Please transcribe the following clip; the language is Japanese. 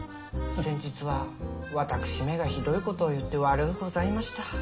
先日は私めがひどいことを言って悪うございました。